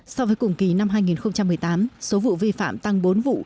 so với cùng kỳ năm hai nghìn một mươi tám số vụ vi phạm tăng bốn vụ